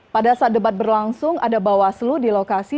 pada saat debat berlangsung ada bawaslu di lokasi